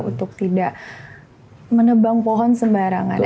untuk tidak menebang pohon sembarangan